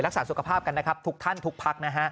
รักษาสุขภาพกันนะครับทุกท่านทุกพักนะฮะ